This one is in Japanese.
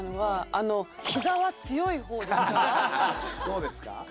どうですか？